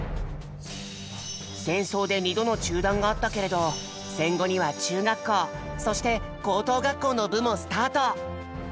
戦争で２度の中断があったけれど戦後には中学校そして高等学校の部もスタート。